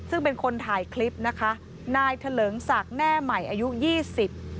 ซึ่งเป็นคนถ่ายคลิปนะคะนายเถลิงศักดิ์แน่ใหม่อายุยี่สิบ